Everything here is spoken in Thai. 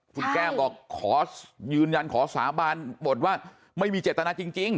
คุณแก้มบอกขอยืนยันขอสาบานบทว่าไม่มีเจตนาจริง